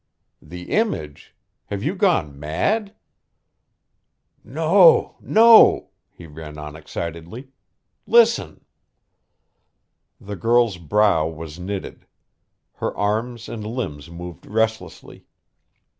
"The image? have you gone mad?" "No! No!" he ran on excitedly. "Listen!" The girl's brow was knitted. Her arms and limbs moved restlessly.